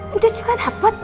ancus juga dapat